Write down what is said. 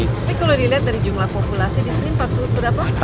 tapi kalau dilihat dari jumlah populasi di sini empat puluh berapa